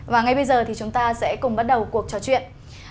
và ngay bây giờ thì chúng ta sẽ cùng bắt đầu cuộc trò chuyện